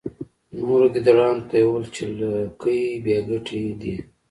نورو ګیدړانو ته یې وویل چې لکۍ بې ګټې دي.